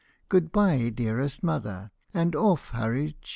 Good bye, dearest mother !" And oflf hurried she.